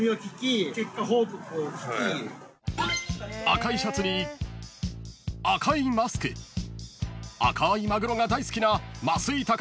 ［赤いシャツに赤いマスク赤いマグロが大好きな］